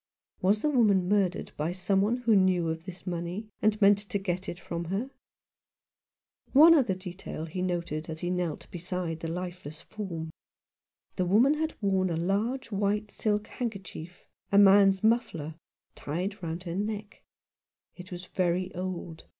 Was the woman mur dered by some one who knew of this money, and meant to get it from her? One other detail he noted as he knelt beside the lifeless form. The woman had worn a large white silk handkerchief — a man's muffler — tied round her neck. It was very old.